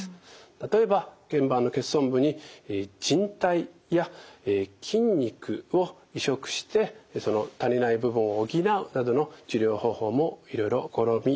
例えばけん板の欠損部にじん帯や筋肉を移植してその足りない部分を補うなどの治療方法もいろいろ試みられています。